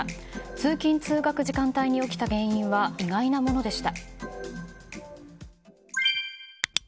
通勤・通学時間帯に起きた原因は意外なものでした。